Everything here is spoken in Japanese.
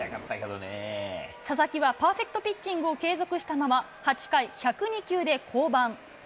佐々木はパーフェクトピッチングを継続したまま、８回１０２球で降板。